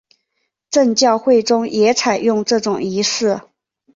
正教会中也采用这种仪式。